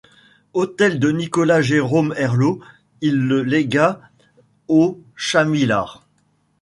Hôtel de Nicolas-Jérôme Herlaut, il le légua aux Chamillart.